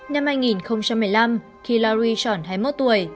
năm hai nghìn một mươi năm khi larry chọn hai mươi một tuổi